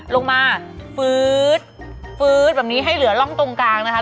ลงมาฟื๊ดฟื๊ดแบบนี้ให้เหลือร่องตรงกลางนะคะ